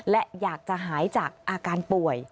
และอยากจะหายจากอาการป่วย